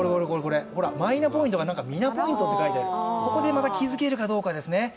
マイナポイントがミナポイントって書いてあるここでまた気づけるかどうかですね。